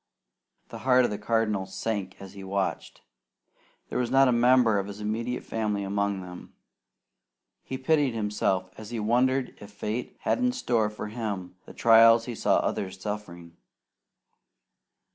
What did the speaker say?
The heart of the Cardinal sank as he watched. There was not a member of his immediate family among them. He pitied himself as he wondered if fate had in store for him the trials he saw others suffering.